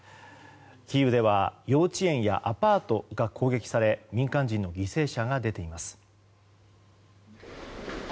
キーウでは幼稚園やアパートが攻撃され民間人の犠牲者が出ています。